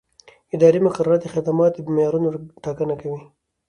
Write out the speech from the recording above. اداري مقررات د خدمت د معیارونو ټاکنه کوي.